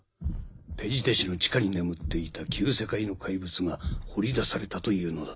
ペジテ市の地下に眠っていた旧世界の怪物が掘り出されたというのだ。